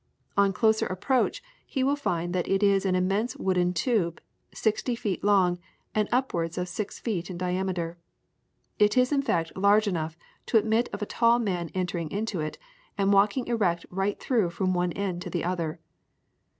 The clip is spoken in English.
On closer approach he will find that it is an immense wooden tube, sixty feet long, and upwards of six feet in diameter. It is in fact large enough to admit of a tall man entering into it and walking erect right through from one end to the other.